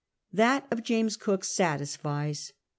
That of James Cook satisfies.